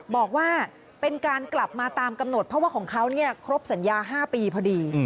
บอกว่าเป็นการกลับมาตามกำหนดเพราะว่าของเขาครบสัญญา๕ปีพอดี